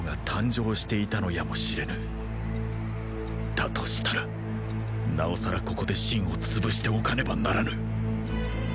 だとしたらなおさらここで秦をつぶしておかねばならぬ！